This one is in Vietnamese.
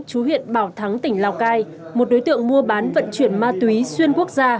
chú huyện bảo thắng tỉnh lào cai một đối tượng mua bán vận chuyển ma túy xuyên quốc gia